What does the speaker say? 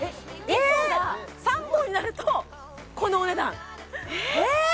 １本が３本になるとこのお値段え！？